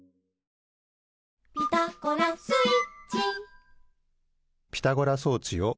「ピタゴラスイッチ」